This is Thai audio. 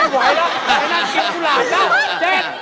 ไอ้นั่นกินกุหลานแล้ว